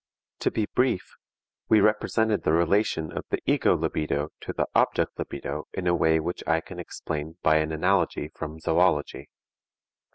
To be brief: We represented the relation of the ego libido to the object libido in a way which I can explain by an analogy from zoology.